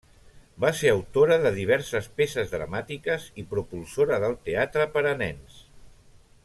Va ser autora de diverses peces dramàtiques i propulsora del teatre per a nens.